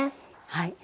はい。